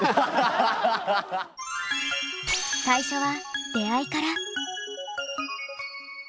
最初は出会いから。